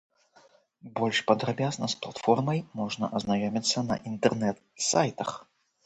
Больш падрабязна з платформай можна азнаёміцца на інтэрнэт-сайтах.